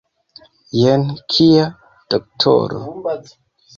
Jen kia doktoro!